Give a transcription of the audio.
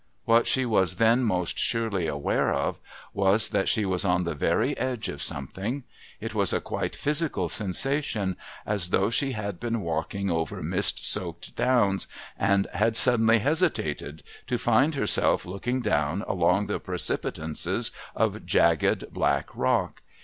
What she was then most surely aware of was that she was on the very edge of something; it was a quite physical sensation, as though she had been walking over mist soaked downs and had suddenly hesitated, to find herself looking down along the precipitances of jagged black rock.